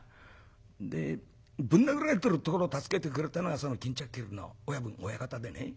でぶん殴られてるところを助けてくれたのが巾着切りの親分親方でね